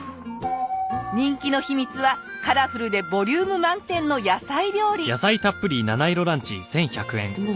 人気の秘密はカラフルでボリューム満点の野菜料理。